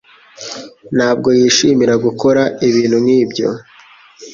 ntabwo yishimira gukora ibintu nkibyo.